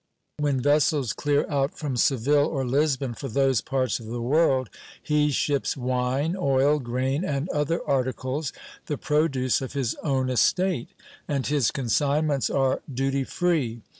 When vessels clear out from Seville or Lisbon for those parts of the world, he ships wine, oil, grain, and other articles, the produce of his own estate; and his consignments are duty free.